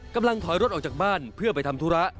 กำลังถอยรถออกจากบ้านเพื่อไปทำธุระ